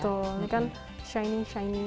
betul ini kan shiny shiny